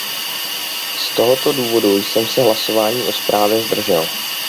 Z tohoto důvodu jsem se hlasování o zprávě zdržel.